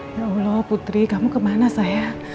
ya allah putri kamu kemana saya